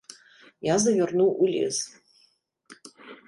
Я завярнуў у лес.